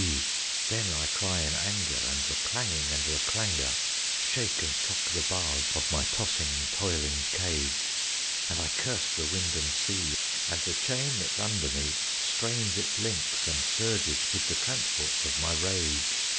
Then, then I cry in anger, And the clanging and the clangor Shake and shock the bars Of my tossing, toiling cage; And I curse the wind and sea, And the chain that's under me Strains its links and surges With the transports of my rage.